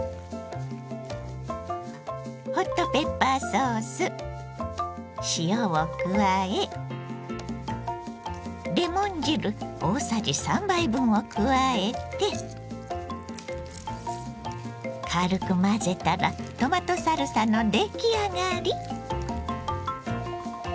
ホットペッパーソース塩を加えレモン汁大さじ３杯分を加えて軽く混ぜたらトマトサルサの出来上がり。